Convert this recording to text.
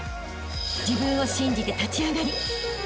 ［自分を信じて立ち上がりあしたへ